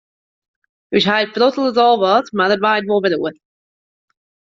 Us heit prottelet al wat, mar dat waait wol wer oer.